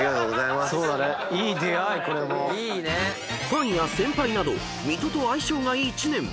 ［ファンや先輩など水戸と相性がいい知念］